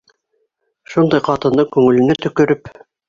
Шундай ҡатындың күңеленә төкөрөп...